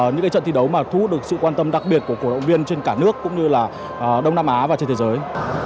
những trận thi đấu mà thu hút được sự quan tâm đặc biệt của cổ động viên trên cả nước cũng như là đông nam á và trên thế giới